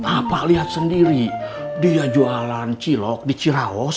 apa lihat sendiri dia jualan cilok di cirawas